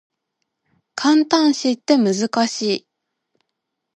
感嘆詞って難しい